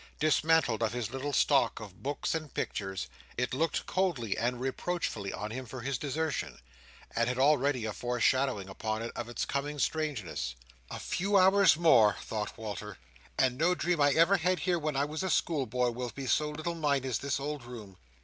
Dismantled of his little stock of books and pictures, it looked coldly and reproachfully on him for his desertion, and had already a foreshadowing upon it of its coming strangeness. "A few hours more," thought Walter, "and no dream I ever had here when I was a schoolboy will be so little mine as this old room.